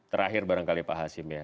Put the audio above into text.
terakhir barangkali pak hasim ya